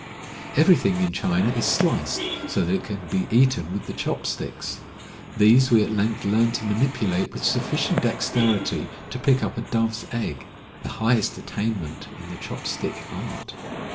Everything in China is sliced so that it can be eaten with the chop sticks. These we at length learned to manipulate with sufficient dexterity to pick up a dove's egg — the highest attainment in the chop stick art.